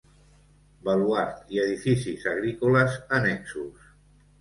Baluard i edificis agrícoles annexos.